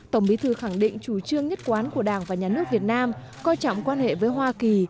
tổng bí thư khẳng định chủ trương nhất quán của đảng và nhà nước việt nam coi trọng quan hệ với hoa kỳ